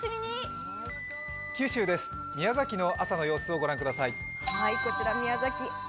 九州です、宮崎の朝の様子を御覧ください。